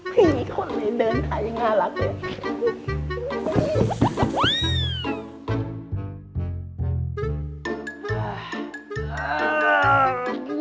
พี่คนเลยเดินขายังห่าหลักเลย